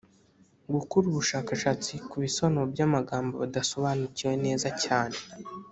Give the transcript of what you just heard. gukora ubushakashatsi ku bisobanuro by’amagambo badasobanukiwe neza cyane